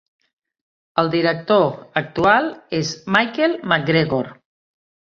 El director actual és Michael McGregor.